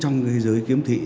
trong thế giới kiếm thị